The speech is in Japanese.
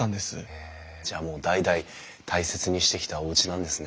へえじゃあもう代々大切にしてきたおうちなんですね。